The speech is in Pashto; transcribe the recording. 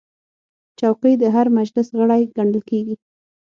چوکۍ د هر مجلس غړی ګڼل کېږي.